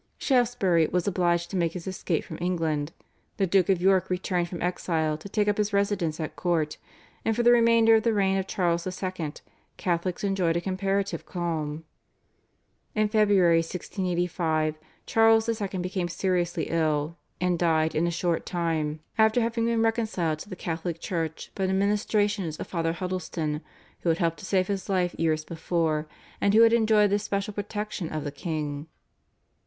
Shaftsebury was obliged to make his escape from England; the Duke of York returned from exile to take up his residence at court, and for the remainder of the reign of Charles II. Catholics enjoyed a comparative calm. In February 1685 Charles II. became seriously ill, and died in a short time, after having been reconciled to the Catholic Church by the ministrations of Father Hudleston, who had helped to save his life years before, and who had enjoyed the special protection of the king.